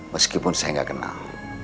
meskipun saya gak kenal